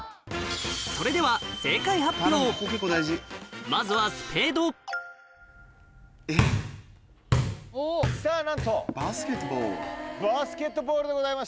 それではまずはスペードさぁ何とバスケットボールでございました。